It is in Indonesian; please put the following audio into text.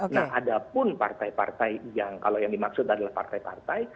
nah ada pun partai partai yang kalau yang dimaksud adalah partai partai